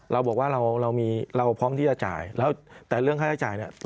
เราบอกว่าเรามีเราพร้อมที่จะจ่ายแล้วแต่เรื่องค่าใช้จ่ายเนี่ย